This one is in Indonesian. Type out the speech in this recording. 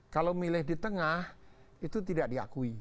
kalau milih di tengah itu tidak diakui